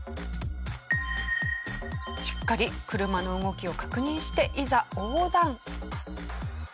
しっかり車の動きを確認していざ横断。